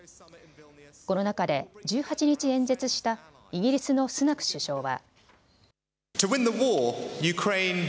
この中で１８日、演説したイギリスのスナク首相は。